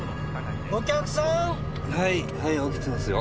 はいはい起きてますよ。